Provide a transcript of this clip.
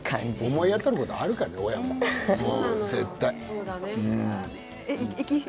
思い当たることあるからね親は絶対。